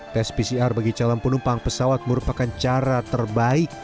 tes pcr bagi calon penumpang pesawat merupakan cara terbaik